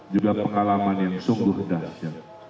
juga pengalaman yang sungguh dahsyat